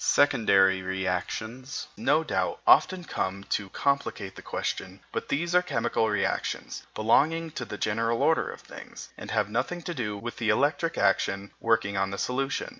Secondary reactions, no doubt, often come to complicate the question, but these are chemical reactions belonging to the general order of things, and have nothing to do with the electric action working on the solution.